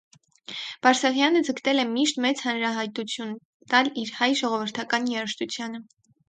Բարսեղյանը ձգտել է միշտ մեծ հանրահայտություն տալ իր հայ ժողովրդական երաժշտությանը։